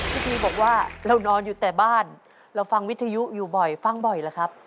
พิธีบอกว่าเรานอนอยู่แต่บ้านเราฟังวิทยุอยู่บ่อยฟังบ่อยหรือครับ